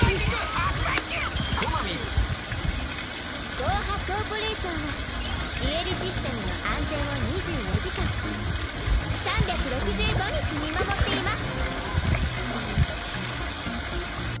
ゴーハ・コーポレーションはデュエルシステムの安全を２４時間３６５日見守っています。